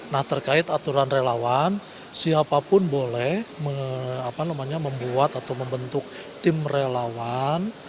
nah terkait aturan relawan siapapun boleh membuat atau membentuk tim relawan